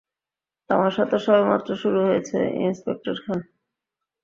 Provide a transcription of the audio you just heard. তামাশা তো সবেমাত্র শুরু হয়েছে, ইন্সপেক্টর খান।